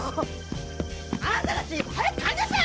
あなたたち早く帰りなさい！